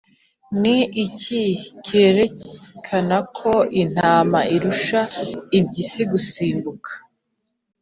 ni iki kerekana ko intama irusha impyisi gusimbuka?